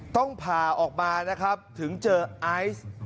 ต้องผ่าออกมานะครับถึงเจอไอซ์